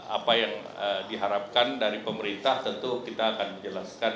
apa yang diharapkan dari pemerintah tentu kita akan menjelaskan